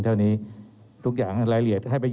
เรามีการปิดบันทึกจับกลุ่มเขาหรือหลังเกิดเหตุแล้วเนี่ย